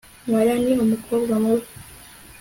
Mariya ni umukobwa mubi